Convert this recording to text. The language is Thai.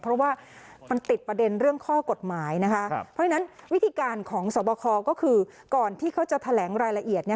เพราะว่ามันติดประเด็นเรื่องข้อกฎหมายนะคะเพราะฉะนั้นวิธีการของสวบคก็คือก่อนที่เขาจะแถลงรายละเอียด